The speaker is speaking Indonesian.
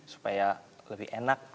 supaya lebih enak